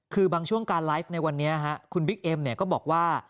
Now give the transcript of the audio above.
คือบางช่วงการไลฟ์ในวันนี้คุณบิ๊กเอ็มก็บอกว่า